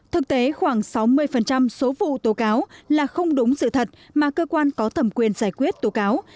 thực tế khoảng sáu mươi số vụ tố cáo là không đúng sự thật mà cơ quan có thẩm quyền giải quyết tố cáo